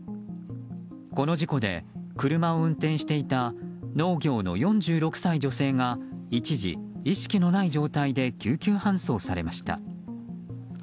この事故で、車を運転していた農業の４６歳女性が一時、意識のない状態で救急搬送されました。